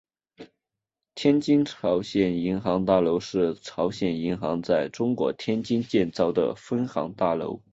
天津朝鲜银行大楼是朝鲜银行在中国天津建造的分行大楼。